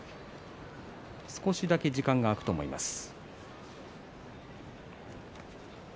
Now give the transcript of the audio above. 少しだけ時間が空くと思います。